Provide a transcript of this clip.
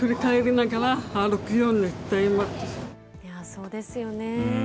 そうですよね。